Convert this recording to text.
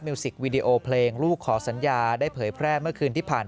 สิกวีดีโอเพลงลูกขอสัญญาได้เผยแพร่เมื่อคืนที่ผ่าน